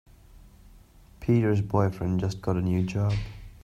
Peter's boyfriend just got a new job.